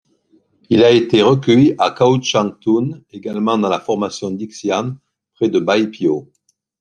Il a été recueilli à Kaoshangtun, également dans la formation d'Yixian, près de Beipio.